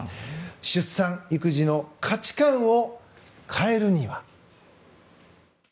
出産、育児の価値観を変えるには。